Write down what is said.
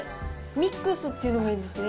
ミックスっていうのがいいですね。